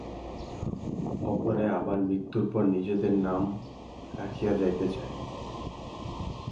অপরে আবার মৃত্যুর পর নিজেদের নাম রাখিয়া যাইতে চায়।